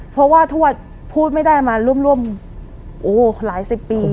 เพราะว่าทวดพูดไม่ได้มาร่วมหลายสิบปี